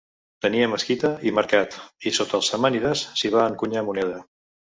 Tenia mesquita i mercat i sota els samànides s'hi va encunyar moneda.